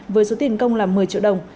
với số tiền công là một mươi triệu đồng